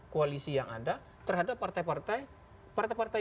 koalisi yang ada terhadap partai partai